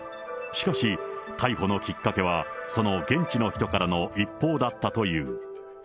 しかし、逮捕のきっかけは、その現地の人からの一報だったという。